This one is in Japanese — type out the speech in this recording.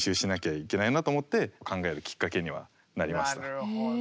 なるほど。